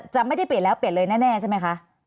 จะไม่ได้เปลี่ยนแล้วเปลี่ยนเลยแน่ใช่ไหมคะ